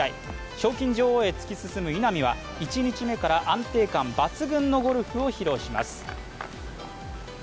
賞金女王へ突き進む稲見は１日目から安定感抜群のゴルフを披露します。